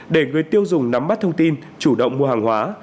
để người tiêu dùng nắm bắt thông tin chủ động mua hàng hóa